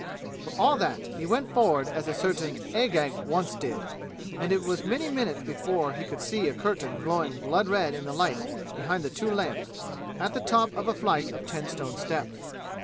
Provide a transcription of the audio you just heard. For all that he went forward as a certain Agag once did, and it was many minutes before he could see a curtain glowing blood red in the light behind the two lamps, at the top of a flight of ten stone steps.